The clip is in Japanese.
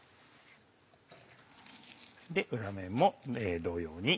裏面も同様に。